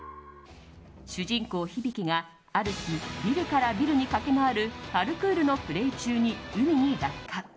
主人公ヒビキがある日、ビルからビルに駆け回るパルクールのプレー中に海に落下。